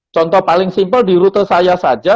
contoh paling simpel di rute saya saja